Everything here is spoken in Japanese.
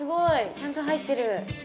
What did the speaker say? ちゃんと入ってる。